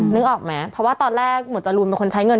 นึกออกไหมเพราะว่าตอนแรกหมวดจรูนเป็นคนใช้เงิน